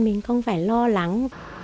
mình không phải lo lắng